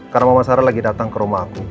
karena mama sarah lagi datang ke rumah aku